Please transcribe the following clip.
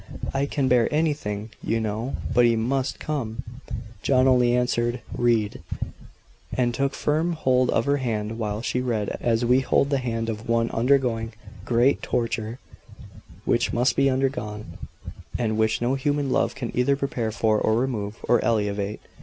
I can bear anything, you know but he MUST come." John only answered, "Read," and took firm hold of her hand while she read as we hold the hand of one undergoing great torture, which must be undergone, and which no human love can either prepare for, or remove, or alleviate.